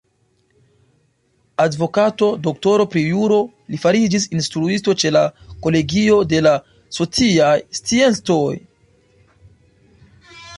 Advokato, doktoro pri juro, li fariĝis instruisto ĉe la kolegio de la sociaj sciencoj.